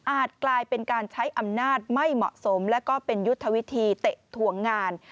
กลายเป็นการใช้อำนาจไม่เหมาะสมและก็เป็นยุทธวิธีเตะถ่วงงาน